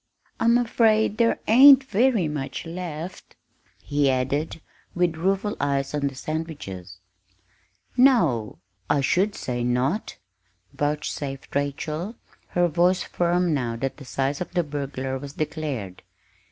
I'm afraid there ain't very much left," he added, with rueful eyes on the sandwiches. "No, I should say not!" vouchsafed Rachel, her voice firm now that the size of the "burglar" was declared.